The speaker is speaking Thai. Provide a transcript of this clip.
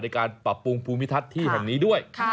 ในการปรับปรุงภูมิทัศน์ที่แห่งนี้ด้วย